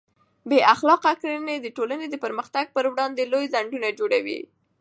بې اخلاقه کړنې د ټولنې د پرمختګ پر وړاندې لوی خنډونه جوړوي.